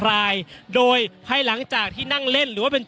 อย่างที่บอกไปว่าเรายังยึดในเรื่องของข้อ